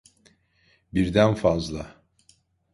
Birden fazla.